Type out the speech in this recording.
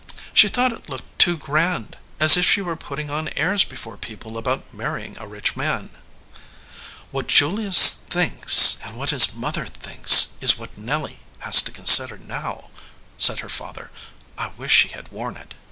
"She thought it looked too grand as if she were 196 SOUR SWEETINGS putting on airs before people about marrying a rich man." "What Julius thinks and what his mother thinks is what Nelly has to consider now," said her father. "I wish she had worn it."